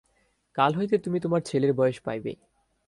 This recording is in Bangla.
কাল হইতে তুমি তোমার ছেলের বয়স পাইবে।